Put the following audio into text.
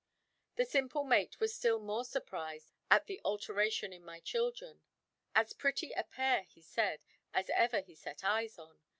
The simple mate was still more surprised at the alteration in my children; as pretty a pair, he said, as ever he set eyes on.